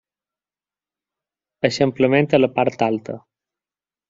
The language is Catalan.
Eixamplament a la part alta.